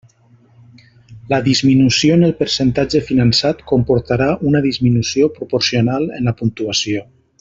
La disminució en el percentatge finançat comportarà una disminució proporcional en la puntuació.